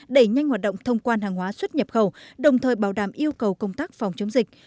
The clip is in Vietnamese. đẩy nhanh hoạt động thông quan hàng hóa xuất nhập khẩu đồng thời bảo đảm yêu cầu công tác phòng chống dịch